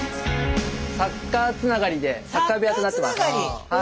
サッカーつながりでサッカー部屋となってます。